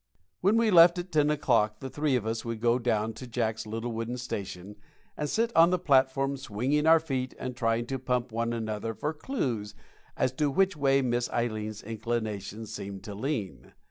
When we left at ten o'clock the three of us would go down to Jacks' little wooden station and sit on the platform, swinging our feet and trying to pump one another for clews as to which way Miss Ileen's inclinations seemed to lean.